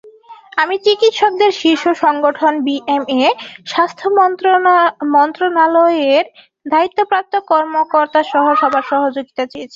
আমি চিকিৎসকদের শীর্ষ সংগঠন বিএমএ, স্বাস্থ্য মন্ত্রণালয়ের দায়িত্বপ্রাপ্ত কর্মকর্তাসহ সবার সহযোগিতা চেয়েছি।